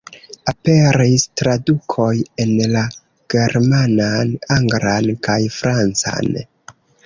Aperis tradukoj en la germanan, anglan kaj francan.